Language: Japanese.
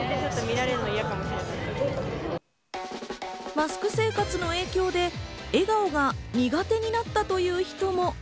マスク生活の影響で笑顔が苦手になったという人も。